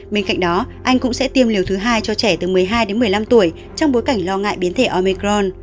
bên cạnh đó anh cũng sẽ tiêm liều thứ hai cho trẻ từ một mươi hai đến một mươi năm tuổi trong bối cảnh lo ngại biến thể omecron